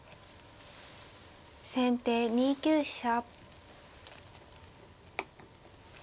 先手２九飛車。